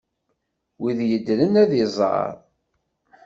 Win yeddren, ad iẓer.